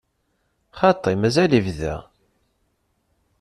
Xaṭi, mazal ibda.